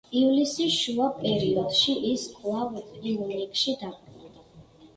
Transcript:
ივლისის შუა პერიოდში ის კვლავ „პიუნიკში“ დაბრუნდა.